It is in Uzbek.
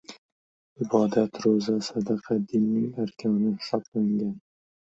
Ibodat, ro‘za, sadaqa dinning arkoni hisoblangan.